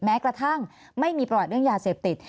แม้กระทั่งไม่มีประวัติเรื่องยาเสพติด